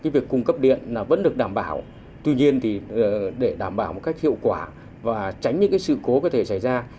việc cung cấp điện vẫn được đảm bảo tuy nhiên để đảm bảo một cách hiệu quả và tránh những sự cố có thể xảy ra